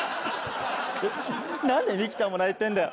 なんでミキちゃんも泣いてんだよ。